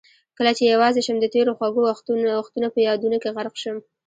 کله چې یوازې شم د تېرو خوږو وختونه په یادونو کې غرق شم.